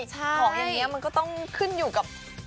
ของอย่างนี้มันก็ต้องขึ้นอยู่กับ